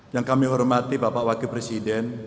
yang kami hormati bapak wakil presiden